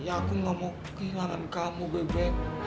aku gak mau kehilangan kamu bebe